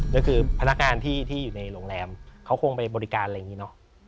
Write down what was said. แล้วคือพนักงานที่ที่อยู่ในโรงแรมเขาคงใบบริการอย่างนี้นะ